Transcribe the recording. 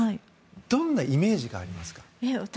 どんなイメージがありますか？